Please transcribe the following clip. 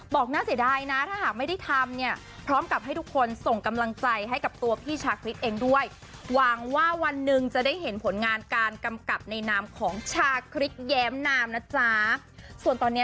บอกน่าเสียดายนะถ้าหากไม่ได้ทำเนี่ย